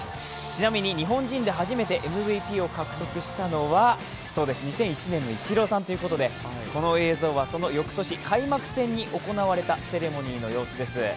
ちなみに日本人で初めてＭＶＰを獲得したのはそうです、２００１年のイチローさんということで、この映像はその翌年開幕戦に行われたセレモニーの様子です。